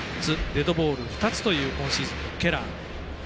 デッドボール２つという今シーズンのケラー。